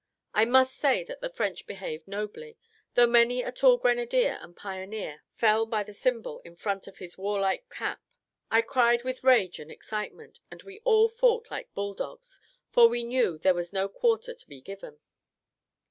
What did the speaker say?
I must say that the French behaved nobly, though many a tall grenadier and pioneer fell by the symbol in front of his warlike cap. I cried with rage and excitement; and we all fought like bull dogs, for we knew there was no quarter to be given.